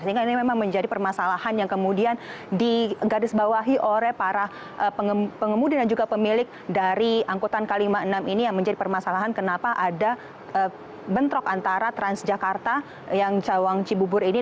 sehingga ini memang menjadi permasalahan yang kemudian digarisbawahi oleh para pengemudi